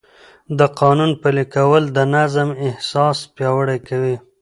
د قانون پلي کول د نظم احساس پیاوړی کوي.